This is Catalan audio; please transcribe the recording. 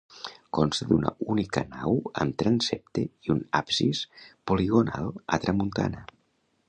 Consta d'una única nau amb transsepte i un absis poligonal a tramuntana.